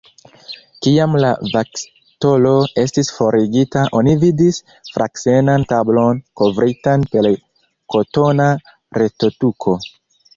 Kiam la vakstolo estis forigita, oni vidis fraksenan tablon, kovritan per kotona retotuko.